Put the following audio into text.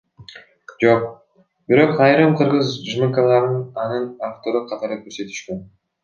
Жок, бирок айрым кыргыз ЖМКлары аны автор катары көрсөтүшкөн.